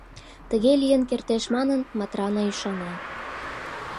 Тыге лийын кертеш манын, Матрана ӱшана.